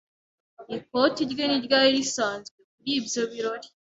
Ikoti rye ntiryari risanzwe kuri ibyo birori.